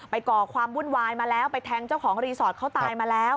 ก่อความวุ่นวายมาแล้วไปแทงเจ้าของรีสอร์ทเขาตายมาแล้ว